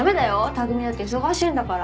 匠だって忙しいんだから。